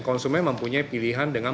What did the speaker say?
konsumen mempunyai pilihan dengan